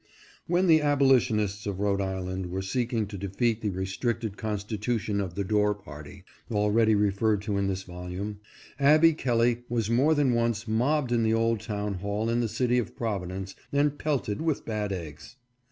When the abolitionists of Ehode Island were seeking to defeat the restricted constitution of the Dorr party, already referred to in this volume, Abby Kelley was more than once mobbed in the old town hall in the city of Provi dence, and pelted with bad eggs.